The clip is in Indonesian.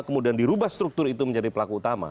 kemudian dirubah struktur itu menjadi pelaku utama